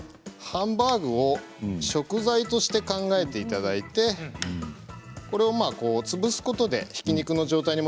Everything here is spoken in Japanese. ハンバーグを食材として考えていただいてこれを潰すことでひき肉の状態に。